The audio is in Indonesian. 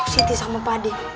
siti sama pade